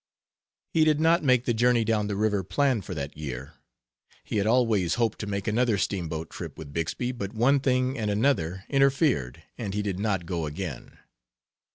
He did not make the journey down the river planned for that year. He had always hoped to make another steamboat trip with Bixby, but one thing and another interfered and he did not go again.